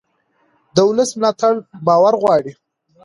د ولس ملاتړ باور غواړي